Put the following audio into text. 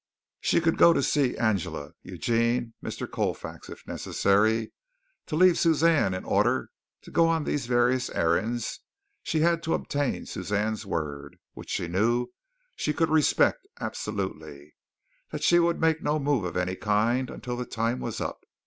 She could go to see Angela, Eugene, Mr. Colfax, if necessary. To leave Suzanne in order to go on these various errands, she had to obtain Suzanne's word, which she knew she could respect absolutely, that she would make no move of any kind until the time was up.